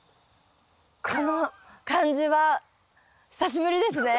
この感じは久しぶりですね。